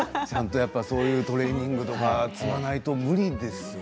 トレーニングとか積まないと無理ですよね。